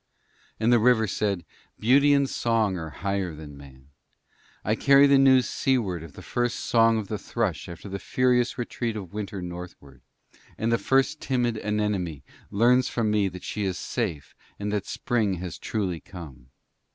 And the river said: 'Beauty and song are higher than Man. I carry the news seaward of the first song of the thrush after the furious retreat of winter northward, and the first timid anemone learns from me that she is safe and that spring has truly come.